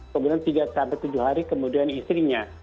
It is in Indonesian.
kemudian tiga sampai tujuh hari kemudian istrinya